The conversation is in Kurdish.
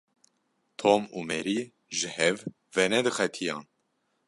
Tom û Mary ji hev venediqetiyan.